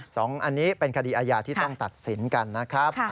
สองอันนี้เป็นคดีอาญาที่ต้องตัดสินกันนะครับ